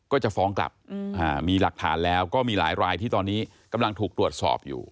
ก็จะฟ้องกลับมีหลักฐานแล้วก็มีหลายรายที่ตอนนี้กำลังถูกตรวจสอบอยู่